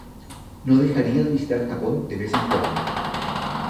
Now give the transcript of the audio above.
No dejaría de visitar Japón de vez en cuando.